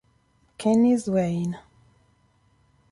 Kenny Swain